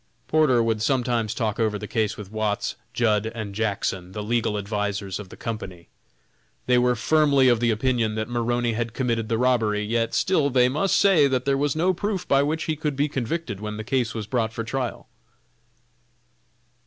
Porter would sometimes talk over the case with Watts, Judd & Jackson, the legal advisers of the company. They were firmly of the opinion that Maroney had committed the robbery, yet still they must say that there was no proof by which he could be convicted when the case was brought for trial.